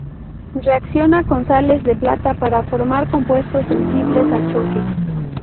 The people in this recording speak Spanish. Reacciona con sales de plata para formar compuestos sensibles al choque.